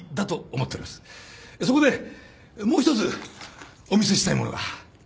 そこでもう１つお見せしたいものが。